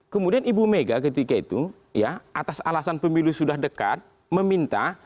kemudian ibu mega ketika itu ya atas alasan pemilu sudah dekat meminta